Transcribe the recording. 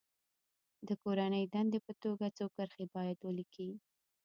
د کورنۍ دندې په توګه څو کرښې باید ولیکي.